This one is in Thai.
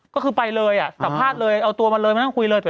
ก็คือไปเลยอ่ะสัมภาษณ์เลยเอาตัวมาเลยมานั่งคุยเลย